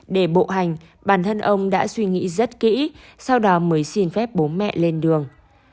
để bộ hành bản thân ông đã suy nghĩ rất kỹ sau đó mới xin phép bố mẹ lên đường